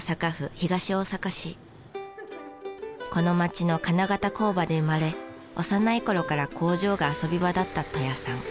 この町の金型工場で生まれ幼い頃から工場が遊び場だった戸屋さん。